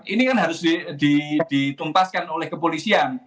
ini kan harus ditumpaskan oleh kepolisian